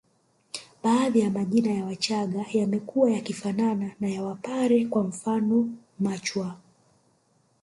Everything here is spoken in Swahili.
Baadhi ya majina ya Wachaga yamekuwa yakifanana na ya wapare kwa mfano Machwa